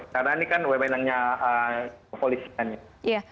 karena ini kan wemenangnya kepolisiannya